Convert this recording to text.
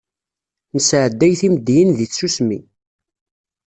Nesɛedday timeddiyin di tsusmi.